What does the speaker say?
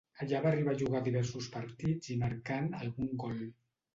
Allà va arribar a jugar diversos partits i marcant algun gol.